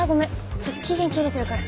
ちょっと期限切れてるから。